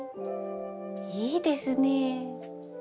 いいですねぇ。